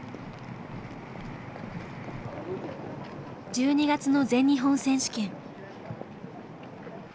１２月の全日本選手権。